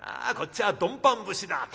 「こっちは『ドンパン節』だ」